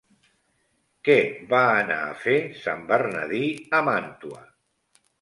Què va anar a fer sant Bernadí a Màntua?